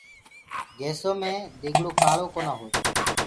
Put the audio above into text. گيسو مي ديگڙو ڪآݪو ڪونآ هوئي۔